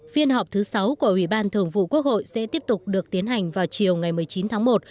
phiên họp thứ sáu của ủy ban thường vụ quốc hội sẽ tiếp tục được tiến hành vào chiều ngày một mươi chín tháng một